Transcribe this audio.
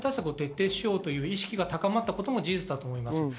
しっかりしようという意識が高まったことも事実だと思います。